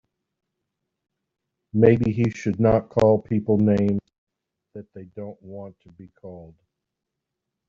Maybe he should not call people names that they don't want to be called.